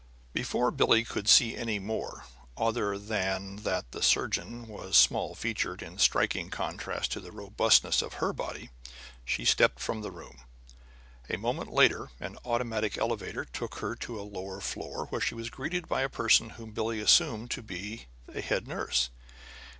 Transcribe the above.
Before Billie could see any more other than that the surgeon was small featured in striking contrast to the robustness of her body, she stepped from the room. A moment later an automatic elevator took her to a lower floor, where she was greeted by a person whom Billie assumed to be a head nurse.